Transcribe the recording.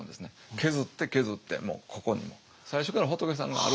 削って削ってもうここに最初から仏さんがあるわけです。